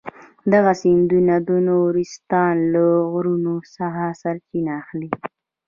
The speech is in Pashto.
دغه سیندونه د نورستان له غرونو څخه سرچینه اخلي.